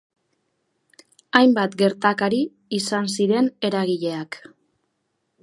Hainbat gertakari izan ziren eragileak.